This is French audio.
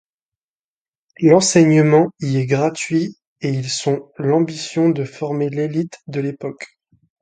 L'enseignement y est gratuit et ils ont l'ambition de former l'élite de l'époque.